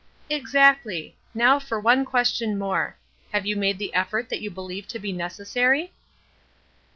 "Exactly. Now for one question more: Have you made the effort that you believe to be necessary?"